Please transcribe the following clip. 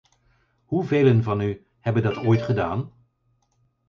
Hoevelen van u hebben dat ooit gedaan?